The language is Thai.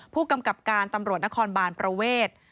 ผู้กำกับการตำรวจนครบานประเวท